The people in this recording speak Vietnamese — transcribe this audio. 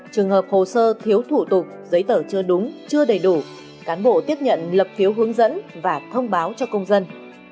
trường hợp hồ sơ thiếu thủ tục giấy tờ chưa đúng chưa đầy đủ cán bộ tiếp nhận lập phiếu hướng dẫn và thông báo cho công dân